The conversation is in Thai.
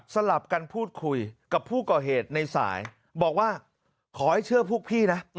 สลับกันพูดคุยกับผู้ก่อเหตุในสายบอกว่าขอให้เชื่อพวกพี่นะ